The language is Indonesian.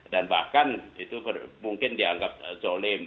dan bahkan itu mungkin dianggap zolim